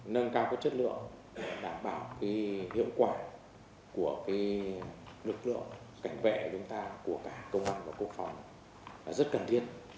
nâng cao các chất lượng đảm bảo hiệu quả của lực lượng cảnh vệ của cả công an và quốc phòng là rất cần thiết